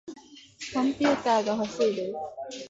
コンピューターがほしいです。